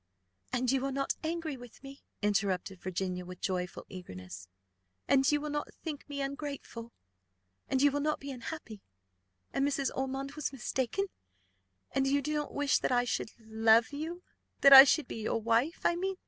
"And you are not angry with me?" interrupted Virginia, with joyful eagerness; "and you will not think me ungrateful? And you will not be unhappy? And Mrs. Ormond was mistaken? And you do not wish that I should love you, that I should be your wife, I mean?